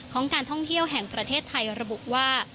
ของการท่องเที่ยวแห่งประเทศไทยระบุว่า